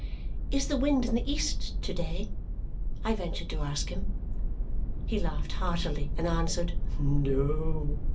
"Is the wind in the east to day?" I ventured to ask him. He laughed heartily and answered, "No."